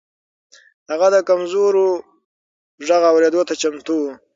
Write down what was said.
هغه د کمزورو غږ اورېدو ته چمتو و.